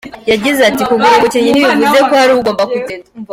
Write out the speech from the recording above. Yagize ati “Kugura umukinnyi ntibivuze ko hari ugomba kugenda.